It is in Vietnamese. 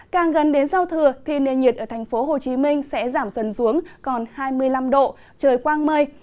càng gần đến giao thừa thì nền nhiệt ở thành phố hồ chí minh sẽ giảm dần xuống còn hai mươi năm độ trời quang mây